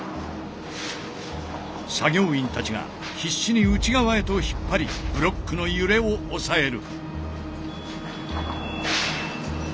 作業員たちが必死に内側へと引っ張りブロックの揺れを抑える。